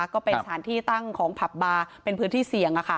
ก็เป็นสถานที่ตั้งของผับบาร์เป็นพื้นที่เสี่ยง